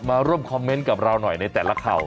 มาร่วมคอมเมนต์กับเราหน่อยในแต่ละข่าว